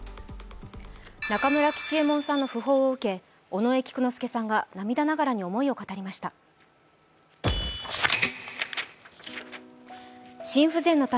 中村吉右衛門さんの訃報を受け、尾上菊之助さんが涙ながらに思いを語りました。